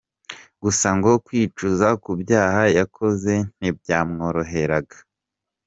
Gusa ngo kwicuza ku byaha yakoze ntibyamworoheraga.